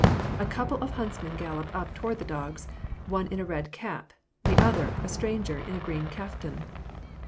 A couple of huntsmen gallop up toward the dogs . one in a red cap ; the other, a stranger, in a green kaftan.